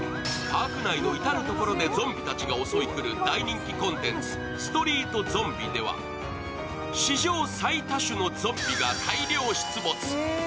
パーク内の至る所でゾンビたちが襲いくる大人気コンテンツ、ストリート・ゾンビでは史上最多種のゾンビが大量出没。